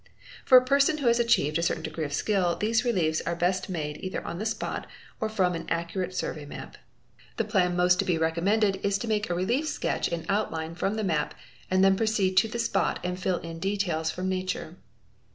| For a person who has achieved a certain degree of skill these reliefs are best made either on the spot, or from an accurate survey map. The — plan most to be recommended is to make a relief sketch in outline from the map and then proceed to the spot and fill in details from nature.